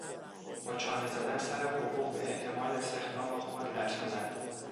با چانه زدن سر حقوق به احتمال استخدام خود لطمه زد.